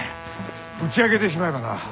打ち明けてしまえばな